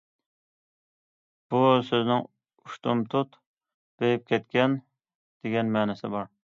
بۇ سۆزنىڭ« ئۇشتۇمتۇت بېيىپ كەتكەن» دېگەن مەنىسى بار.